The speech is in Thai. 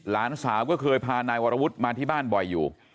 หลานสาวก็เคยพานายวรวุฒิมาที่บ้านบ่อยอยู่